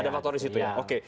ada faktor di situ ya oke